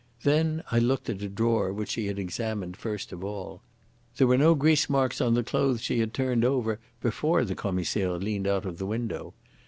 Then I looked at a drawer which she had examined first of all. There were no grease marks on the clothes she had turned over before the Commissaire leaned out of the window.